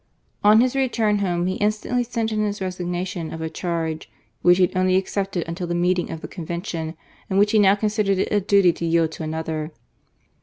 On his return home^ he instantly sent in his resignation of a charge "which he had only accepted until the meeting of the Convention, and which he now considered it a duty to yield to another."